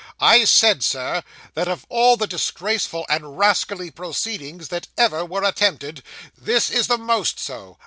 'I said, Sir, that of all the disgraceful and rascally proceedings that ever were attempted, this is the most so.